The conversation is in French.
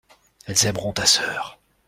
Elles aimeront ta sœur.